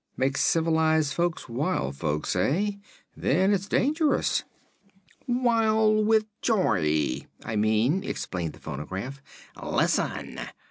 "Makes civilized folks wild folks, eh? Then it's dangerous." "Wild with joy, I mean," explained the phonograph. "Listen.